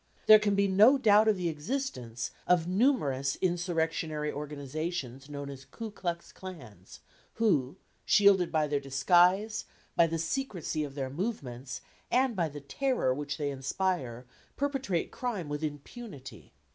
There can be no doubt of the existence of numerous insurrectionary organizations known as 'Ku Klux Klans,' who, shielded by their disguise, by the secrecy of their movements, and by the terror which they inspire, perpetrate crime with impunity.